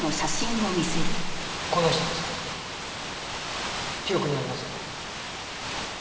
この人ですが記憶にありませんか？